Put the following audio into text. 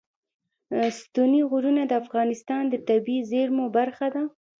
ستوني غرونه د افغانستان د طبیعي زیرمو برخه ده.